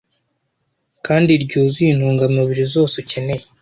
kandi ryuzuye intungamubiri zose ukeneye